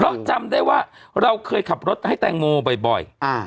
เพราะจำได้ว่าเราเคยขับรถให้แตงโมบ่อย